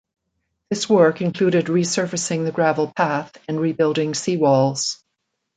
This work included resurfacing the gravel path and rebuilding seawalls.